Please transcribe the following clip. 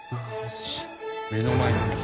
目の前に。